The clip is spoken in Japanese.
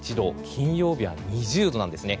金曜日は２０度なんですね。